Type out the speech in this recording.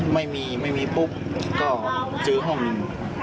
ไม่มีไม่มีปุ๊บก็เจอห้องหนึ่ง